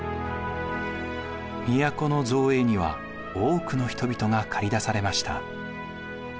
都の造営には多くの人々が駆り出されました。